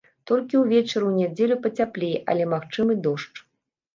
Толькі ўвечары ў нядзелю пацяплее, але магчымы дождж.